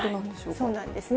そうなんですね。